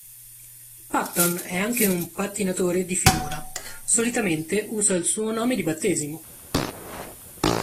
Patton è anche un pattinatore di figura, solitamente usa il suo nome di battesimo.